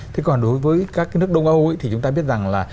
thế còn đối với các cái nước đông âu thì chúng ta biết rằng là